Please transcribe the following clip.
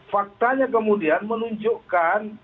faktanya kemudian menunjukkan